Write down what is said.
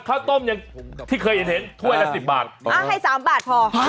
ข้าวต้มที่เคยเห็นถ้วยละ๑๐บาท